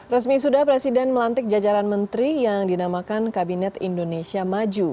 resmi sudah presiden melantik jajaran menteri yang dinamakan kabinet indonesia maju